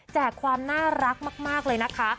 ความน่ารักมากเลยนะคะ